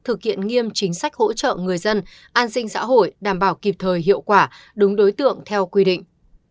thực hiện nghiêm chính sách hỗ trợ người dân an sinh xã hội đảm bảo kịp thời hiệu quả đúng đối tượng theo quy định